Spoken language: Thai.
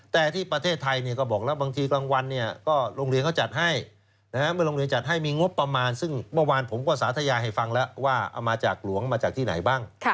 แต่ที่ประเทศไทยก็บอกแล้วบางทีกลางวันเนี่ยก็โรงเรียนเขาจัดให้เมื่อโรงเรียนจัดให้มีงบประมาณซึ่งเมื่อวานผมก็สาธยาให้ฟังแล้วว่าเอามาจากหลวงมาจากที่ไหนบ้าง